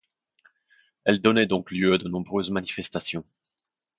Elle donnait donc lieu à de nombreuses manifestations.